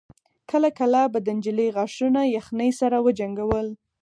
کله کله به د نجلۍ غاښونه يخنۍ سره وجنګول.